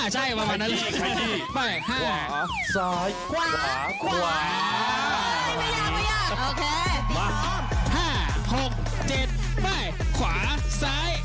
ใช่ประมาณนั้นเลย